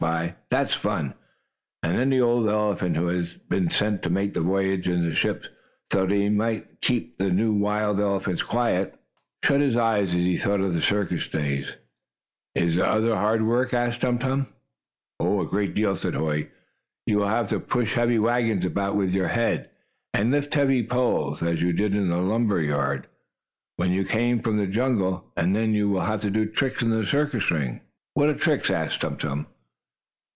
Yes, that is fun," and the old elephant, who had been sent to make the voyage in the ship, so that he might keep the new, wild elephants quiet, shut his eyes as he thought of the circus days. "Is there other hard work?" asked Tum Tum. "A great deal," said Hoy. "You will have to push heavy wagons about with your head, and lift heavy poles, as you did in the lumber yard when you came from the jungle. And then you will have to do tricks in the circus ring." "What are tricks?" asked Tum Tum.